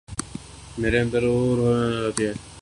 میرے اندر روح واپس آ جاتی ہے ۔